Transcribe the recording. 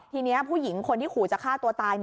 ทีนี้ผู้หญิงคนที่ขู่จะฆ่าตัวตาย